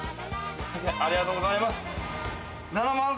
ありがとうございます。